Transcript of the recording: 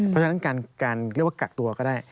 เพราะฉะนั้นการเรียกว่ากักตัวก็ได้